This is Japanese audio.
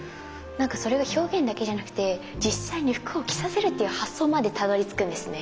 それが表現だけじゃなくて実際に服を着させるっていう発想までたどりつくんですね。